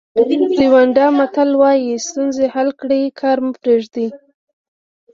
ریوانډا متل وایي ستونزې حل کړئ کار مه پریږدئ.